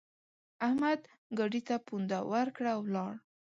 احمد ګاډي ته پونده ورکړه؛ او ولاړ.